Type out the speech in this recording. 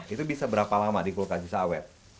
itu bisa berapa lama dikulkas bisa awet